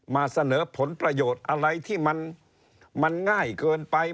มาเสนอผลประโยชน์อะไรที่มันง่ายเกินไป